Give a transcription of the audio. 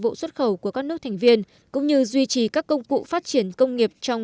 vụ xuất khẩu của các nước thành viên cũng như duy trì các công cụ phát triển công nghiệp trong